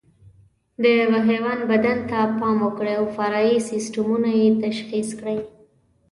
د یوه حیوان بدن ته پام وکړئ او فرعي سیسټمونه یې تشخیص کړئ.